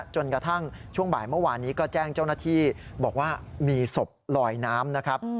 จนกระทั่งช่วงบ่ายเมื่อวานนี้ก็แจ้งเจ้าหน้าที่บอกว่ามีศพลอยน้ำนะครับ